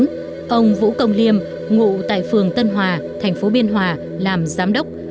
trước đó ông vũ công liêm ngụ tại phường tân hòa thành phố biên hòa làm giám đốc